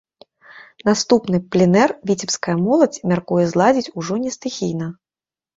Наступны пленэр віцебская моладзь мяркуе зладзіць ужо не стыхійна.